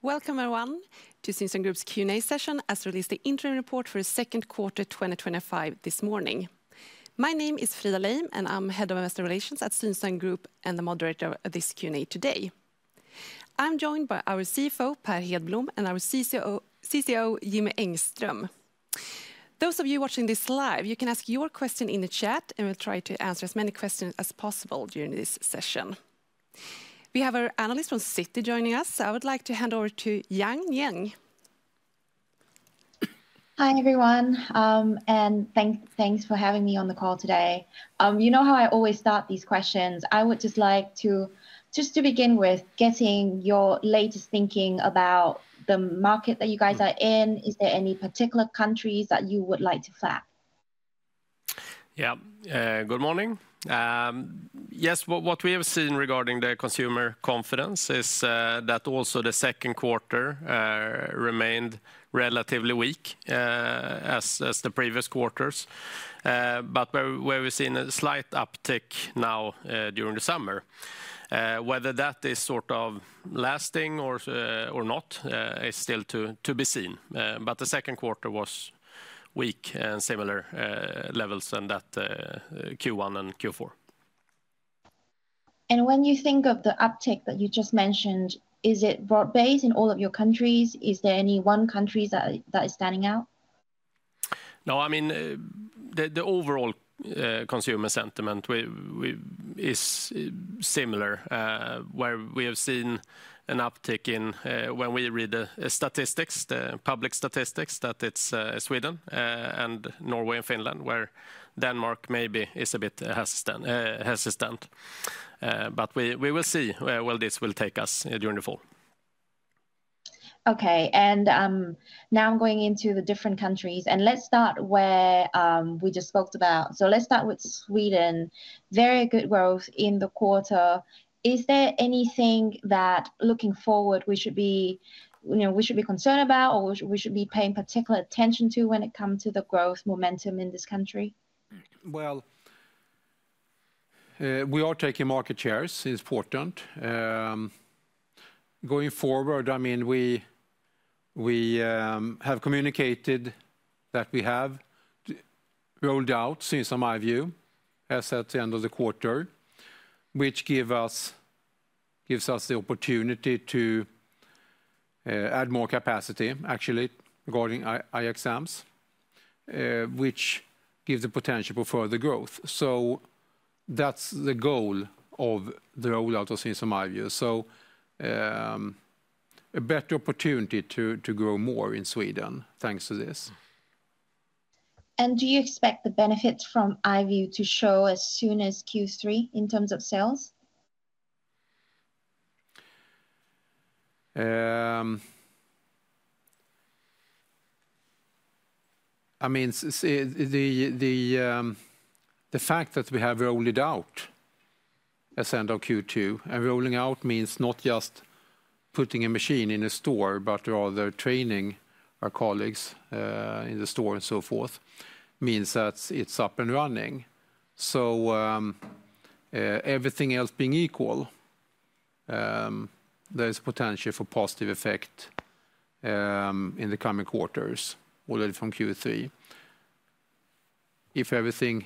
Welcome everyone to Synsam Group's Q&A session as we release the interim report for the second quarter 2025 this morning. My name is Frida Leim, and I'm Head of Investor Relations at Synsam Group and the moderator of this Q&A today. I'm joined by our CFO, Per Hedblom, and our CCO, Jimmy Engström. Those of you watching this live, you can ask your question in the chat, and we'll try to answer as many questions as possible during this session. We have our analyst from Citi joining us. I would like to hand over to Giang Nguyen. Hi, everyone, and thanks for having me on the call today. You know how I always start these questions. I would just like to, to begin with, get your latest thinking about the market that you guys are in. Is there any particular countries that you would like to flag? Yeah, good morning. Yes, what we have seen regarding the consumer confidence is that also the second quarter remained relatively weak as the previous quarters, but we've seen a slight uptick now during the summer. Whether that is sort of lasting or not is still to be seen, but the second quarter was weak and similar levels as Q1 and Q4. When you think of the uptick that you just mentioned, is it broad-based in all of your countries? Is there any one country that is standing out? No, I mean, the overall consumer sentiment is similar, where we have seen an uptick in, when we read the statistics, the public statistics, that it's Sweden and Norway and Finland, where Denmark maybe is a bit hesitant, but we will see where this will take us during the fall. Okay, now I'm going into the different countries, and let's start where we just spoke about. Let's start with Sweden. Very good growth in the quarter. Is there anything that, looking forward, we should be concerned about or we should be paying particular attention to when it comes to the growth momentum in this country? We are taking market shares, which is important. Going forward, I mean, we have communicated that we have rolled out, since in my view, assets at the end of the quarter, which gives us the opportunity to add more capacity, actually, regarding IXMs, which gives the potential for further growth. That's the goal of the rollout of Synsam EyeView. A better opportunity to grow more in Sweden thanks to this. Do you expect the benefits from EyeView to show as soon as Q3 in terms of sales? The fact that we have rolled out as end of Q2, and rolling out means not just putting a machine in a store, but rather training our colleagues in the store and so forth, means that it's up and running. Everything else being equal, there is a potential for positive effect in the coming quarters, all the way from Q3, if everything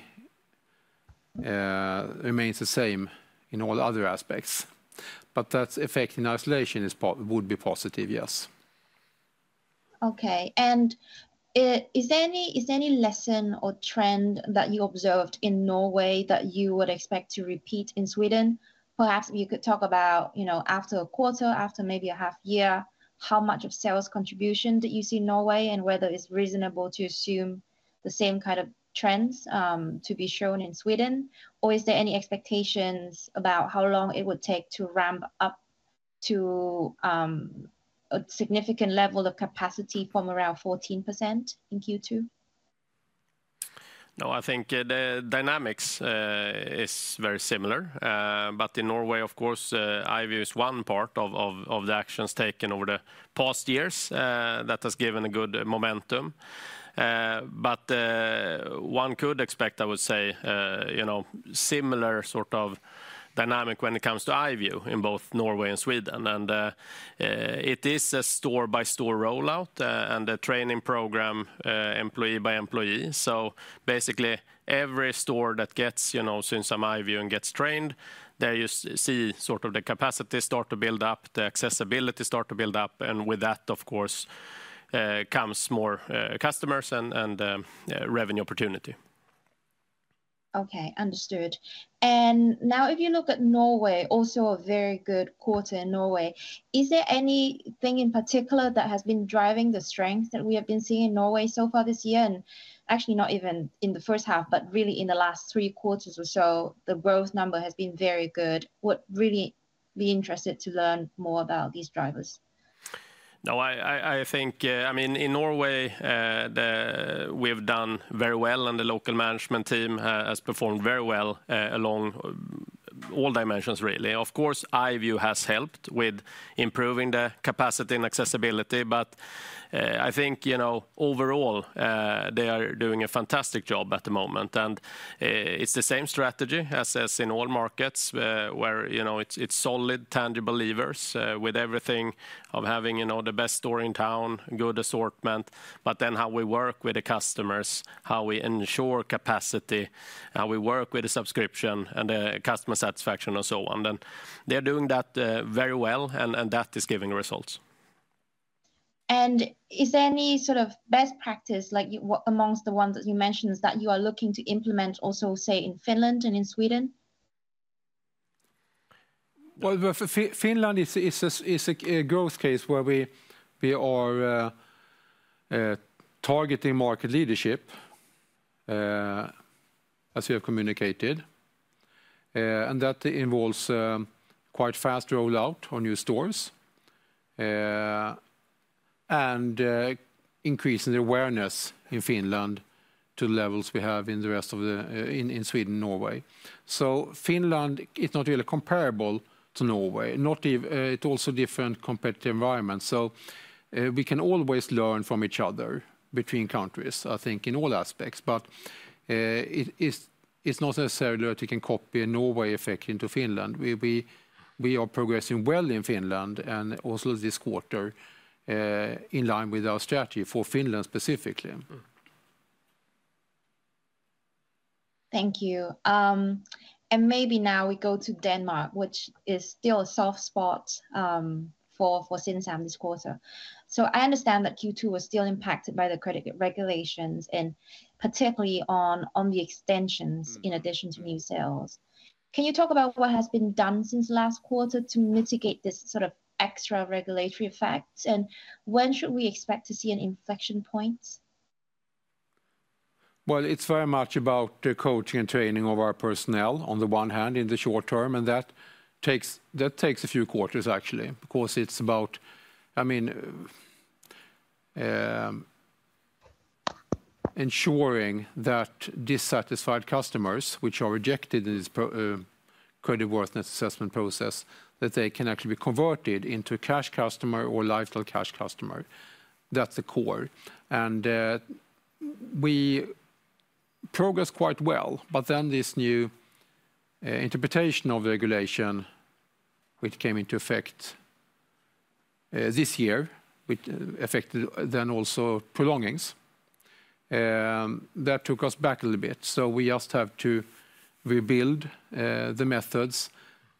remains the same in all other aspects. That effect in isolation would be positive, yes. Okay, is there any lesson or trend that you observed in Norway that you would expect to repeat in Sweden? Perhaps you could talk about, after a quarter, after maybe a half year, how much of sales contribution did you see in Norway, and whether it's reasonable to assume the same kind of trends to be shown in Sweden? Is there any expectations about how long it would take to ramp up to a significant level of capacity from around 14% in Q2? No, I think the dynamics are very similar, but in Norway, of course, EyeView is one part of the actions taken over the past years that has given a good momentum. One could expect, I would say, similar sort of dynamic when it comes to EyeView in both Norway and Sweden. It is a store-by-store rollout and a training program employee by employee. Basically, every store that gets Synsam EyeView and gets trained, there you see the capacity start to build up, the accessibility start to build up, and with that, of course, comes more customers and revenue opportunity. Okay, understood. If you look at Norway, also a very good quarter in Norway, is there anything in particular that has been driving the strength that we have been seeing in Norway so far this year? Actually, not even in the first half, but really in the last three quarters or so, the growth number has been very good. Would really be interested to learn more about these drivers. No, I think in Norway, we have done very well and the local management team has performed very well along all dimensions, really. Of course, EyeView has helped with improving the capacity and accessibility, but I think, you know, overall, they are doing a fantastic job at the moment. It's the same strategy as in all markets where it's solid, tangible levers with everything of having the best store in town, good assortment, but then how we work with the customers, how we ensure capacity, how we work with the subscription and the customer satisfaction and so on. They're doing that very well and that is giving results. Is there any sort of best practice among the ones that you mentioned that you are looking to implement also, say, in Finland and in Sweden? Finland is a growth case where we are targeting market leadership, as we have communicated. That involves quite fast rollout on new stores and increasing the awareness in Finland to the levels we have in the rest of Sweden and Norway. Finland is not really comparable to Norway, it's also a different competitive environment. We can always learn from each other between countries, I think, in all aspects. It's not necessarily that we can copy a Norway effect into Finland. We are progressing well in Finland and also this quarter in line with our strategy for Finland specifically. Thank you. Maybe now we go to Denmark, which is still a soft spot for Synsam this quarter. I understand that Q2 was still impacted by the credit regulation and particularly on the extensions in addition to new sales. Can you talk about what has been done since last quarter to mitigate this sort of extra regulatory effect? When should we expect to see an inflection point? It's very much about the coaching and training of our personnel on the one hand in the short term. That takes a few quarters, actually, because it's about ensuring that dissatisfied customers, which are rejected in this credit worthiness assessment process, can actually be converted into a cash customer or Lifestyle cash customer. That's the core. We progressed quite well, but this new interpretation of regulation, which came into effect this year, affected prolongings. That took us back a little bit. We just have to rebuild the methods.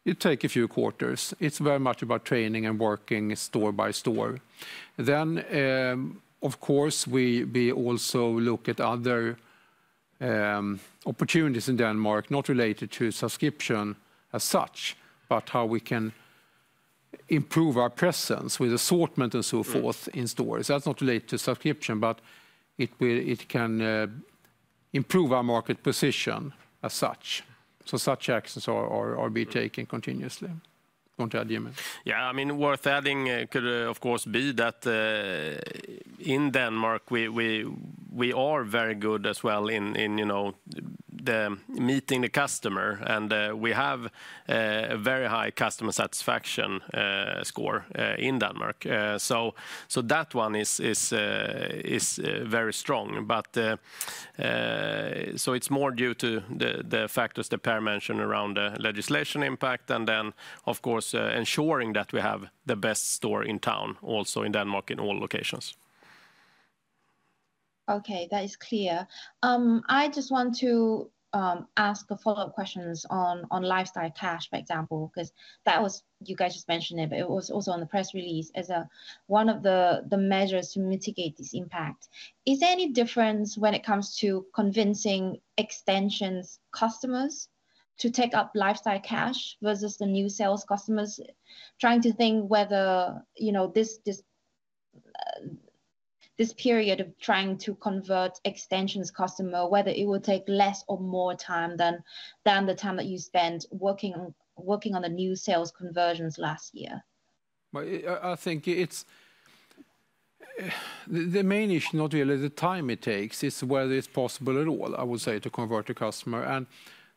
It takes a few quarters. It's very much about training and working store by store. Of course, we also look at other opportunities in Denmark, not related to subscription as such, but how we can improve our presence with assortment and so forth in stores. That's not related to subscription, but it can improve our market position as such. Such actions are being taken continuously. Want to add, Jimmy? Yeah. Worth adding could, of course, be that in Denmark, we are very good as well in meeting the customer. We have a very high customer satisfaction score in Denmark. That one is very strong. It's more due to the factors that Per mentioned around the legislation impact and ensuring that we have the best store in town, also in Denmark, in all locations. Okay, that is clear. I just want to ask a follow-up question on Lifestyle Cash, for example, because that was, you guys just mentioned it, but it was also on the press release as one of the measures to mitigate this impact. Is there any difference when it comes to convincing extensions customers to take up Lifestyle Cash versus the new sales customers? Trying to think whether, you know, this period of trying to convert extensions customer, whether it will take less or more time than the time that you spent working on the new sales conversions last year. I think the main issue, not really the time it takes, is whether it's possible at all, I would say, to convert a customer.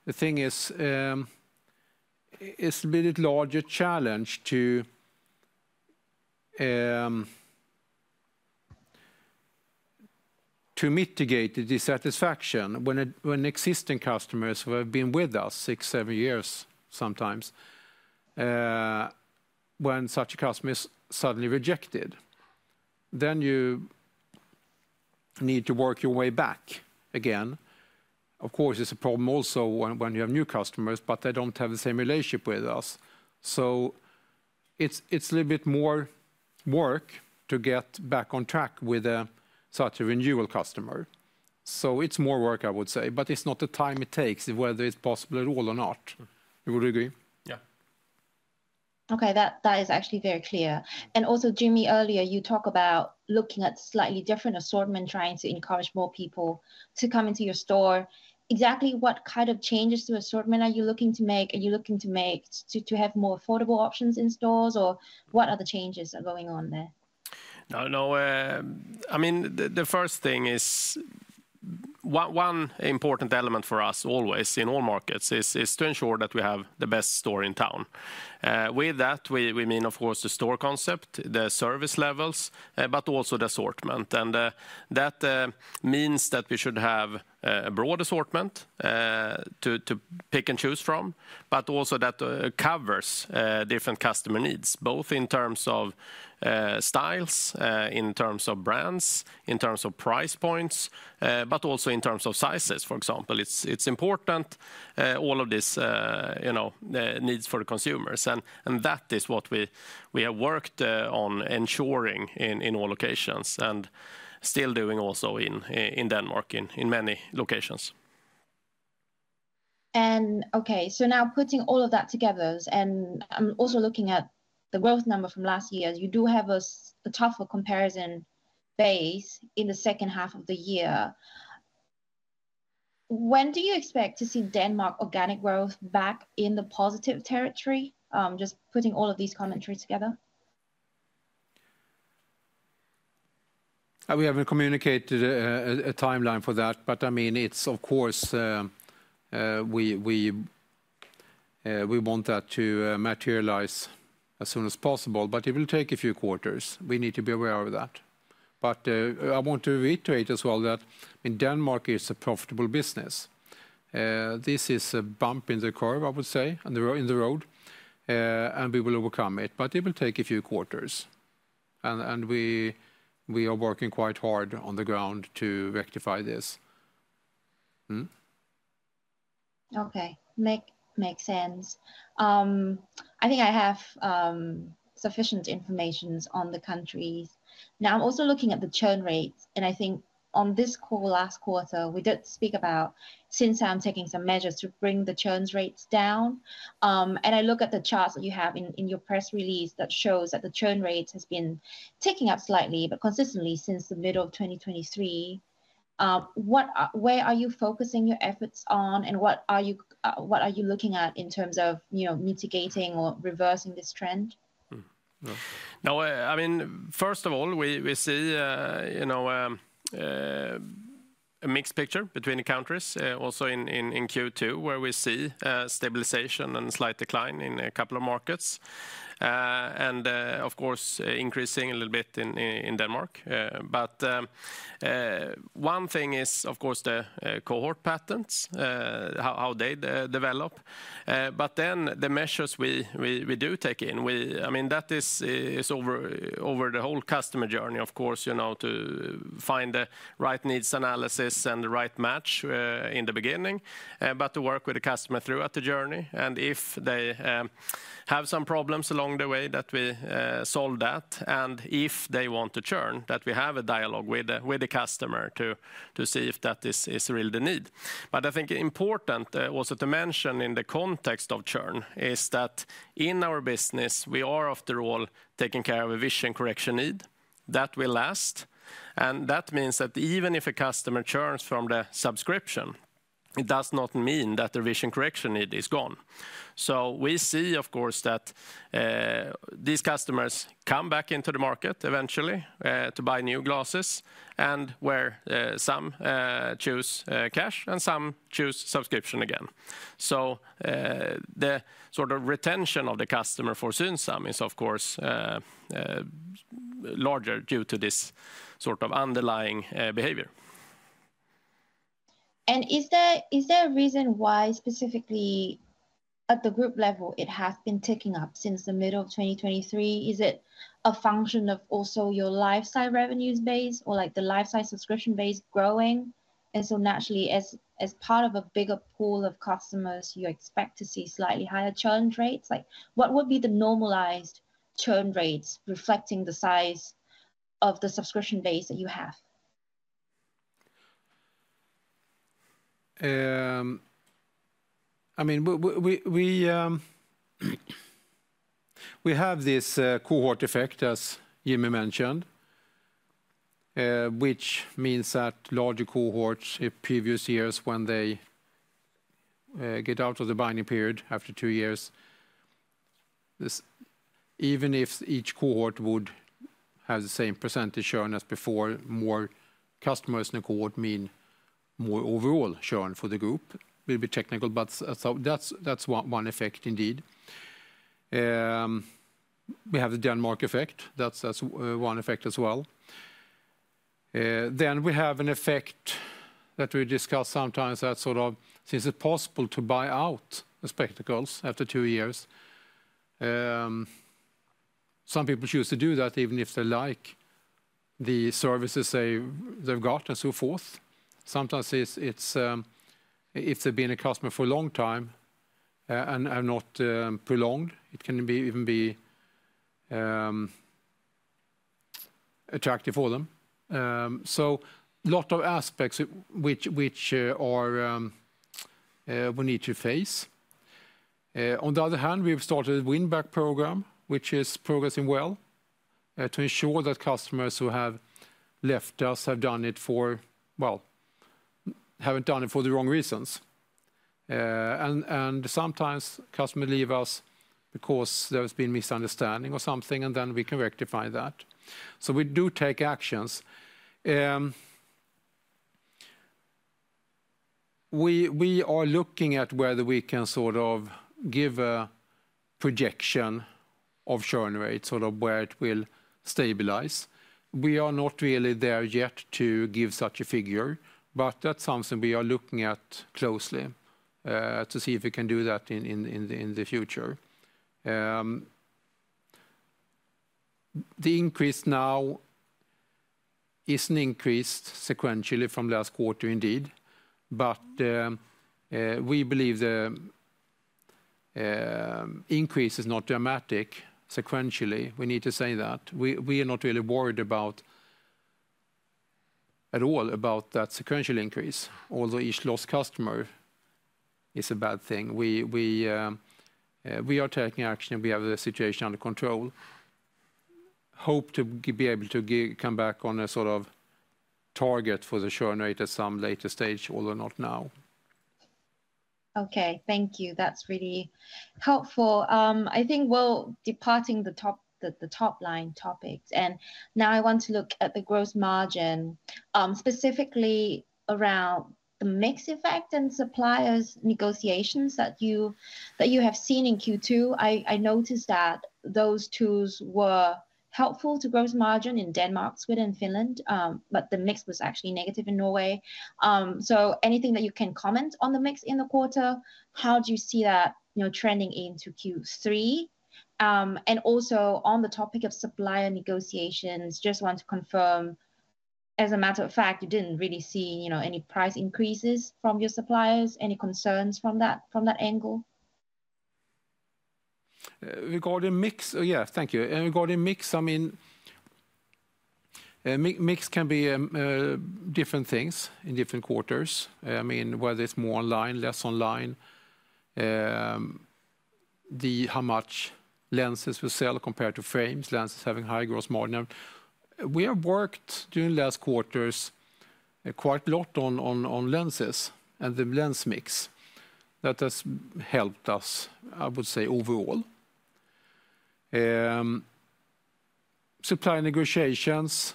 The thing is, it's a bit of a larger challenge to mitigate the dissatisfaction when existing customers who have been with us six, seven years sometimes, when such a customer is suddenly rejected. You need to work your way back again. Of course, it's a problem also when you have new customers, but they don't have the same relationship with us. It's a little bit more work to get back on track with such a renewal customer. It's more work, I would say, but it's not the time it takes, whether it's possible at all or not. You would agree? Yeah. Okay, that is actually very clear. Also, Jimmy, earlier you talk about looking at slightly different assortment, trying to encourage more people to come into your store. Exactly what kind of changes to assortment are you looking to make? Are you looking to make to have more affordable options in stores or what other changes are going on there? No, no. I mean, the first thing is one important element for us always in all markets is to ensure that we have the best store in town. By that, we mean, of course, the store concept, the service levels, but also the assortment. That means we should have a broad assortment to pick and choose from that also covers different customer needs, both in terms of styles, brands, price points, and sizes. For example, it's important all of this, you know, meets the needs for the consumers. That is what we have worked on ensuring in all locations and still doing also in Denmark in many locations. Okay, so now putting all of that together and also looking at the growth number from last year, you do have a tougher comparison phase in the second half of the year. When do you expect to see Denmark organic growth back in the positive territory? Just putting all of these commentaries together. We haven't communicated a timeline for that. I mean, of course, we want that to materialize as soon as possible, but it will take a few quarters. We need to be aware of that. I want to reiterate as well that Denmark is a profitable business. This is a bump in the curve, I would say, in the road, and we will overcome it. It will take a few quarters. We are working quite hard on the ground to rectify this. Okay, makes sense. I think I have sufficient information on the countries. Now I'm also looking at the churn rates, and I think on this call last quarter, we did speak about Synsam taking some measures to bring the churn rates down. I look at the charts that you have in your press release that shows that the churn rate has been ticking up slightly, but consistently since the middle of 2023. Where are you focusing your efforts on, and what are you looking at in terms of mitigating or reversing this trend? No, I mean, first of all, we see a mixed picture between the countries, also in Q2, where we see stabilization and slight decline in a couple of markets. Of course, increasing a little bit in Denmark. One thing is, of course, the cohort patterns, how they develop. The measures we do take in, I mean, that is over the whole customer journey, of course, you know, to find the right needs analysis and the right match in the beginning, but to work with the customer throughout the journey. If they have some problems along the way, that we solve that. If they want to churn, that we have a dialogue with the customer to see if that is really the need. I think it's important also to mention in the context of churn is that in our business, we are after all taking care of a vision correction need that will last. That means that even if a customer churns from the subscription, it does not mean that their vision correction need is gone. We see, of course, that these customers come back into the market eventually to buy new glasses, and where some choose cash and some choose subscription again. The sort of retention of the customer for Synsam is, of course, larger due to this sort of underlying behavior. Is there a reason why specifically at the group level it has been ticking up since the middle of 2023? Is it a function of also your Lifestyle revenues base or like the Lifestyle subscription base growing? Naturally, as part of a bigger pool of customers, you expect to see slightly higher churn rates. What would be the normalized churn rates reflecting the size of the subscription base that you have? I mean, we have this cohort effect, as Jimmy mentioned, which means that larger cohorts in previous years, when they get out of the binding period after two years, even if each cohort would have the same percentage churn as before, more customers in a cohort mean more overall churn for the group. It is a little bit technical, but that's one effect indeed. We have the Denmark effect. That's one effect as well. We have an effect that we discuss sometimes that, since it's possible to buy out the spectacles after two years, some people choose to do that even if they like the services they've got and so forth. Sometimes, if they've been a customer for a long time and are not prolonged, it can even be attractive for them. There are a lot of aspects which we need to face. On the other hand, we've started a win-back program, which is progressing well to ensure that customers who have left us haven't done it for the wrong reasons. Sometimes customers leave us because there's been a misunderstanding or something, and then we can rectify that. We do take actions. We are looking at whether we can give a projection of churn rate, where it will stabilize. We are not really there yet to give such a figure, but that's something we are looking at closely to see if we can do that in the future. The increase now isn't increased sequentially from last quarter indeed, but we believe the increase is not dramatic sequentially. We need to say that we are not really worried at all about that sequential increase, although each lost customer is a bad thing. We are taking action and we have the situation under control. Hope to be able to come back on a target for the churn rate at some later stage, although not now. Okay, thank you. That's really helpful. I think we're departing the top line topics, and now I want to look at the gross margin, specifically around the mix effect and supplier negotiations that you have seen in Q2. I noticed that those tools were helpful to gross margin in Denmark, Sweden, and Finland, but the mix was actually negative in Norway. Anything that you can comment on the mix in the quarter? How do you see that trending into Q3? Also, on the topic of supplier negotiations, just want to confirm, as a matter of fact, you didn't really see any price increases from your suppliers. Any concerns from that angle? Regarding mix? Thank you. Regarding mix, mix can be different things in different quarters. Whether it's more online, less online, how much lenses we sell compared to frames, lenses having higher gross margin. We have worked during the last quarters quite a lot on lenses and the lens mix that has helped us, I would say, overall. Supplier negotiations,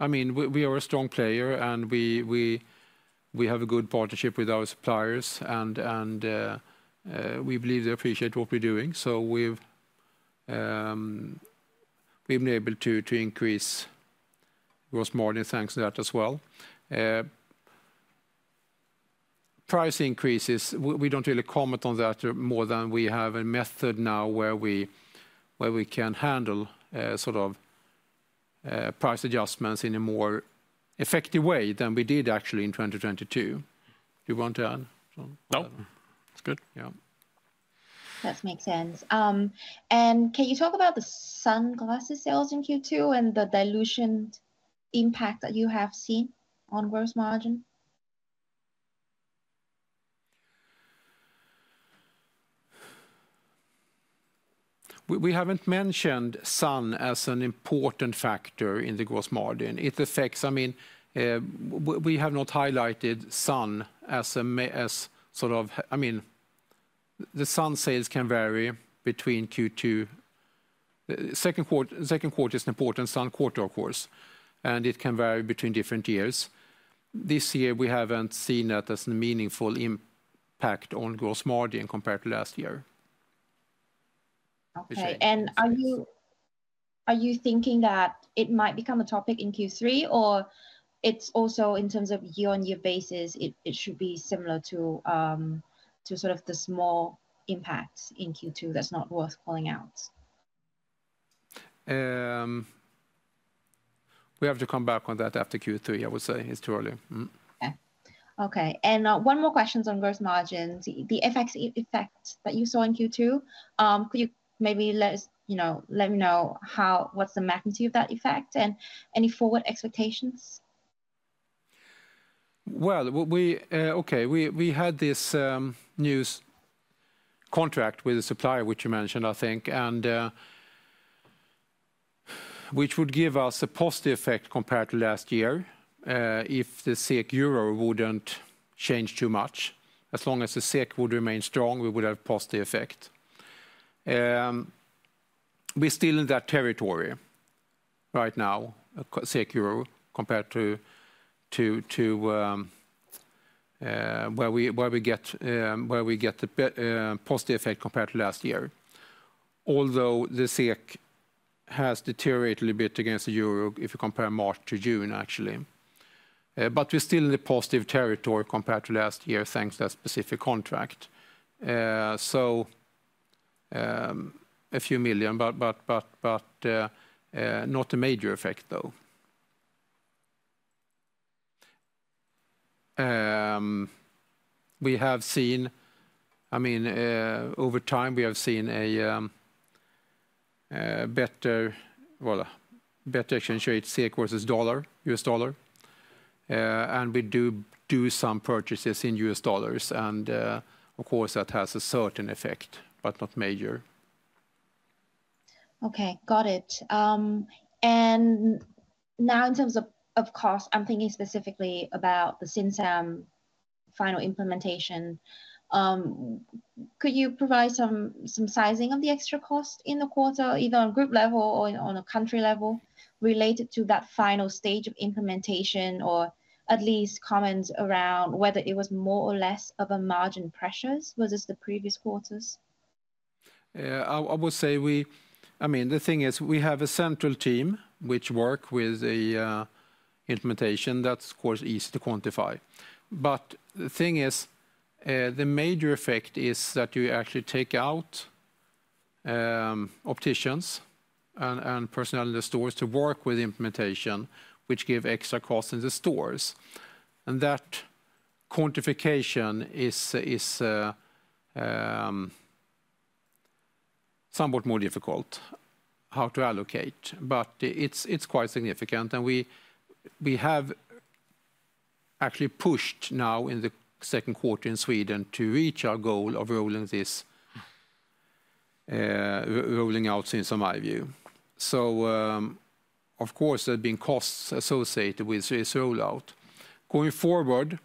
we are a strong player and we have a good partnership with our suppliers and we believe they appreciate what we're doing. We've been able to increase gross margins thanks to that as well. Price increases, we don't really comment on that more than we have a method now where we can handle sort of price adjustments in a more effective way than we did actually in 2022. Do you want to add? No, that's good. Yeah. That makes sense. Can you talk about the sunglasses sales in Q2 and the dilution impact that you have seen on gross margin? We haven't mentioned sun as an important factor in the gross margin. It affects, I mean, we have not highlighted sun as a sort of, I mean, the sun sales can vary between Q2. The second quarter is an important sun quarter, of course, and it can vary between different years. This year we haven't seen that as a meaningful impact on gross margin compared to last year. Are you thinking that it might become a topic in Q3, or in terms of year-on-year basis, it should be similar to the small impacts in Q2 that's not worth calling out? We have to come back on that after Q3. I would say it's too early. Okay. Okay. One more question on gross margins, the effects that you saw in Q2. Could you maybe let us know what's the magnitude of that effect and any forward expectations? We had this new contract with the supplier, which you mentioned, I think, and which would give us a positive effect compared to last year if the SEK/EUR wouldn't change too much. As long as the SEK would remain strong, we would have a positive effect. We're still in that territory right now, SEK/EUR, compared to where we get the positive effect compared to last year. Although the SEK has deteriorated a little bit against the EUR if you compare March to June, actually, we're still in the positive territory compared to last year, thanks to that specific contract. A few million, but not a major effect, though. Over time we have seen a better exchange rate, SEK versus U.S. dollar. We do do some purchases in U.S. dollars, and of course, that has a certain effect, but not major. Okay, got it. In terms of cost, I'm thinking specifically about the Synsam final implementation. Could you provide some sizing of the extra cost in the quarter, either on a group level or on a country level, related to that final stage of implementation, or at least comments around whether it was more or less of a margin pressure versus the previous quarters? I would say we have a central team which works with the implementation. That's, of course, easy to quantify. The major effect is that you actually take out opticians and personnel in the stores to work with the implementation, which gives extra costs in the stores. That quantification is somewhat more difficult, how to allocate, but it's quite significant. We have actually pushed now in the second quarter in Sweden to reach our goal of rolling out Synsam EyeView. There have been costs associated with this rollout. Going forward,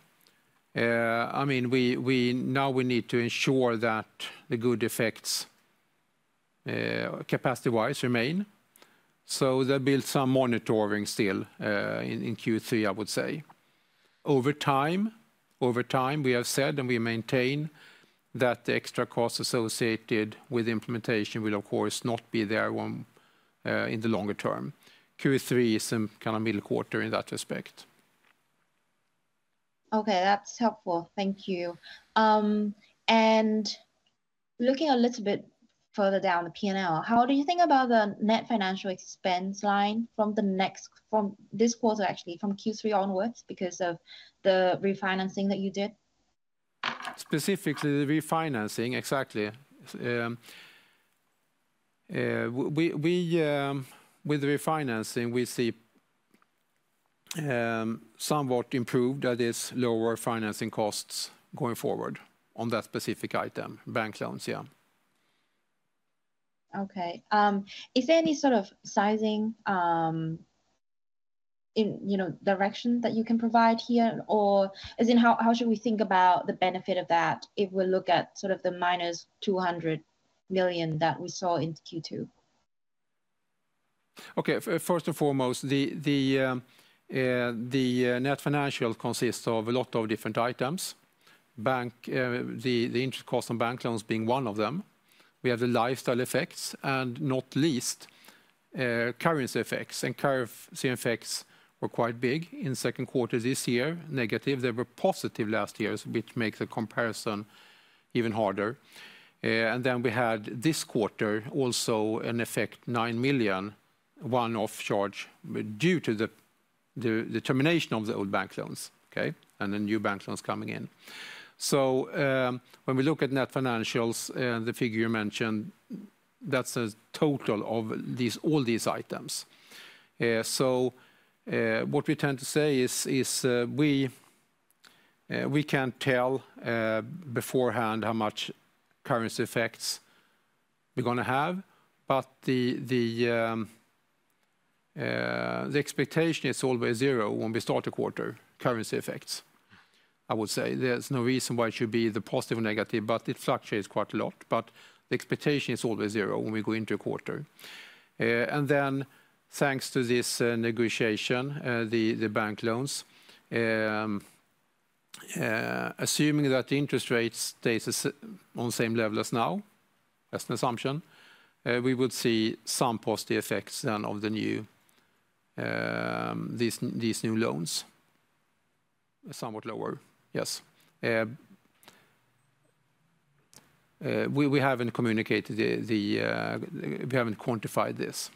now we need to ensure that the good effects capacity-wise remain. That builds some monitoring still in Q3, I would say. Over time, we have said, and we maintain that the extra costs associated with implementation will, of course, not be there in the longer term. Q3 is some kind of middle quarter in that respect. Okay, that's helpful. Thank you. Looking a little bit further down the P&L, how do you think about the net financial expense line from this quarter, actually, from Q3 onwards because of the refinancing that you did? Specifically, the refinancing, exactly. With the refinancing, we see somewhat improved, that is, lower financing costs going forward on that specific item, bank loans, yeah. Okay. Is there any sort of sizing direction that you can provide here, or is it how should we think about the benefit of that if we look at sort of the -200 million that we saw in Q2? Okay, first and foremost, the net financial consists of a lot of different items, the interest costs on bank loans being one of them. We have the lifestyle effects and not least currency effects. Currency effects were quite big in the second quarter this year, negative. They were positive last year, which makes the comparison even harder. We had this quarter also an effect, 9 million, one-off charge due to the termination of the old bank loans, okay, and the new bank loans coming in. When we look at net financials, the figure you mentioned, that's a total of all these items. What we tend to say is we can't tell beforehand how much currency effects we're going to have, but the expectation is always zero when we start a quarter, currency effects. I would say there's no reason why it should be either positive or negative, but it fluctuates quite a lot. The expectation is always zero when we go into a quarter. Thanks to this negotiation, the bank loans, assuming that the interest rate stays on the same level as now, that's an assumption, we will see some positive effects then of the new loans, somewhat lower, yes. We haven't communicated the, we haven't quantified this.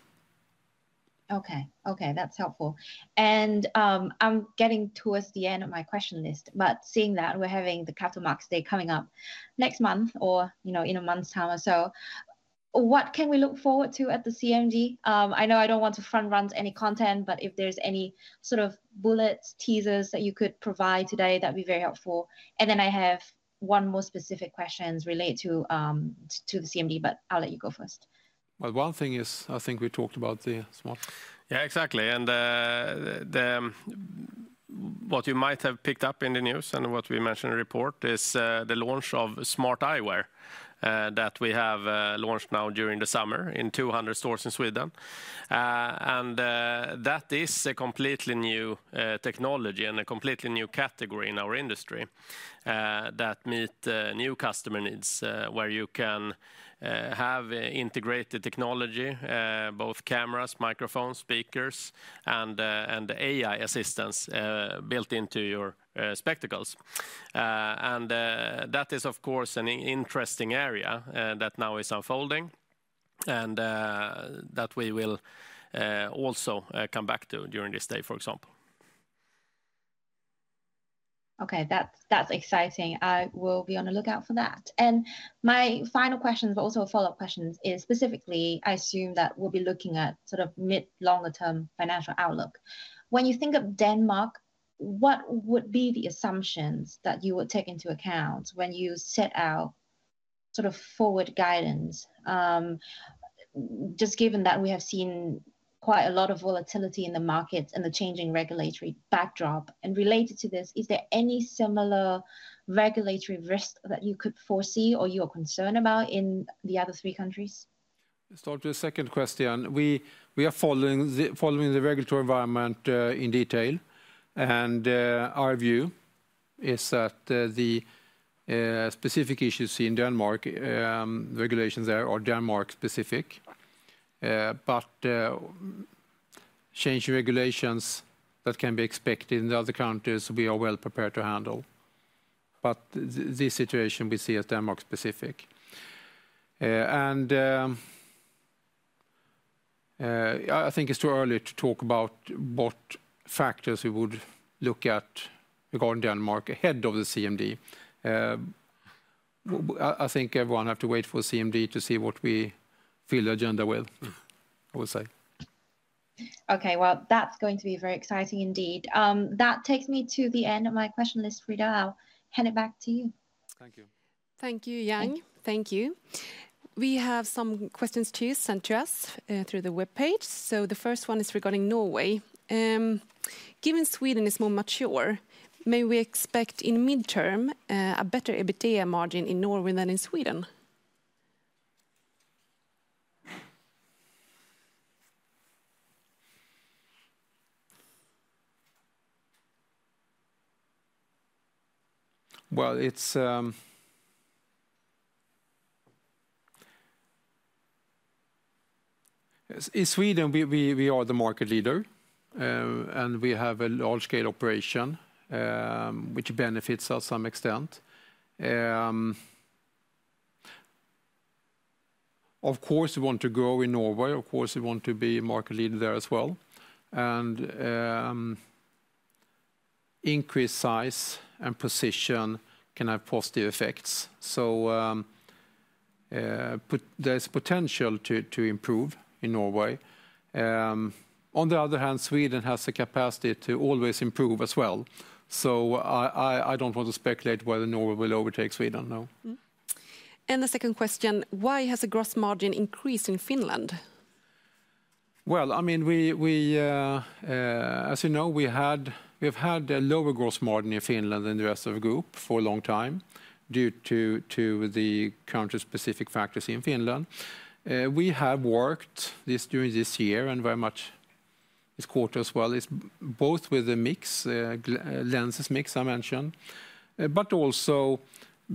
Okay, that's helpful. I'm getting towards the end of my question list, but seeing that we're having the Capital Markets Day coming up next month or in a month's time or so, what can we look forward to at the CMD? I know I don't want to front-run any content, but if there's any sort of bullets or teasers that you could provide today, that'd be very helpful. I have one more specific question related to the CMD, but I'll let you go first. I think we talked about the smart. Yeah, exactly. What you might have picked up in the news and what we mentioned in the report is the launch of smart eyewear that we have launched now during the summer in 200 stores in Sweden. That is a completely new technology and a completely new category in our industry that meets new customer needs where you can have integrated technology, both cameras, microphones, speakers, and AI assistants built into your spectacles. That is, of course, an interesting area that now is unfolding and that we will also come back to during this day, for example. Okay, that's exciting. I will be on the lookout for that. My final question, but also a follow-up question, is specifically, I assume that we'll be looking at sort of mid-longer-term financial outlook. When you think of Denmark, what would be the assumptions that you would take into account when you set out sort of forward guidance? Just given that we have seen quite a lot of volatility in the markets and the changing regulatory backdrop. Related to this, is there any similar regulatory risk that you could foresee or you are concerned about in the other three countries? Let's talk to the second question. We are following the regulatory environment in detail, and our view is that the specific issues seen in Denmark, the regulations there are Denmark specific. Changing regulations that can be expected in the other countries, we are well prepared to handle. This situation we see as Denmark specific. I think it's too early to talk about what factors we would look at regarding Denmark ahead of the CMD. I think everyone has to wait for the CMD to see what we fill the agenda with, I would say. Okay, that's going to be very exciting indeed. That takes me to the end of my question list, Frida. I'll hand it back to you. Thank you, Yang. Thank you. We have some questions to you sent to us through the web page. The first one is regarding Norway. Given Sweden is more mature, may we expect in midterm a better EBITDA margin in Norway than in Sweden? In Sweden, we are the market leader and we have a large-scale operation, which benefits us to some extent. Of course, we want to grow in Norway. Of course, we want to be a market leader there as well. Increased size and position can have positive effects. There's potential to improve in Norway. On the other hand, Sweden has the capacity to always improve as well. I don't want to speculate whether Norway will overtake Sweden, no. The second question, why has the gross margin increased in Finland? As you know, we have had a lower gross margin in Finland than the rest of the group for a long time due to the country-specific factors in Finland. We have worked during this year and very much this quarter as well, both with the mix, lenses mix I mentioned, but also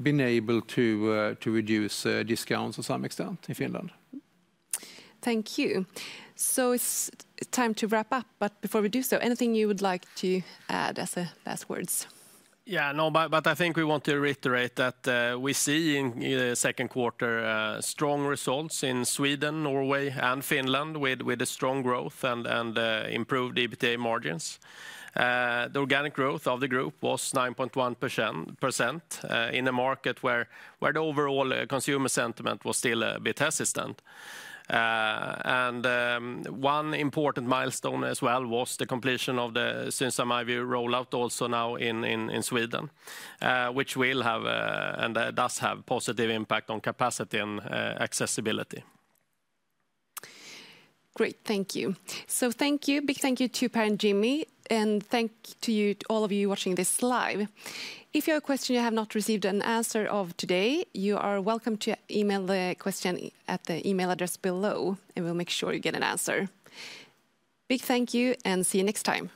been able to reduce discounts to some extent in Finland. Thank you. It's time to wrap up, but before we do so, anything you would like to add as the last words? No, but I think we want to reiterate that we see in the second quarter strong results in Sweden, Norway, and Finland with strong growth and improved EBITDA margins. The organic growth of the group was 9.1% in a market where the overall consumer sentiment was still a bit hesitant. One important milestone as well was the completion of the Synsam EyeView rollout also now in Sweden, which will have and does have a positive impact on capacity and accessibility. Great, thank you. Thank you, big thank you to Per and Jimmy, and thank you to all of you watching this live. If you have a question you have not received an answer to today, you are welcome to email the question at the email address below, and we'll make sure you get an answer. Big thank you and see you next time.